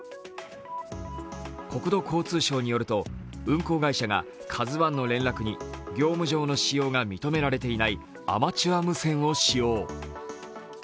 国土交通省によると運航会社が「ＫＡＺＵⅠ」の連絡に業務上の使用が認められていないアマチュア無線を使用。